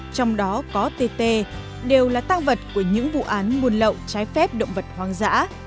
trong đó có tt đều là tăng vật của những vụ án buôn lậu trái phép động vật hoang dã